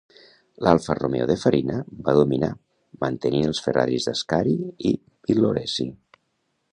L'Alfa Romeo de Farina va dominar, mantenint els Ferraris d'Ascari i Villoresi.